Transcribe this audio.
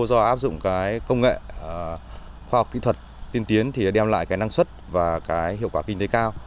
do áp dụng công nghệ khoa học kỹ thuật tiên tiến thì đem lại năng suất và hiệu quả kinh tế cao